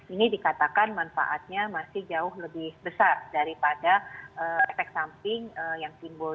ini dikatakan manfaatnya masih jauh lebih besar daripada efek samping yang timbul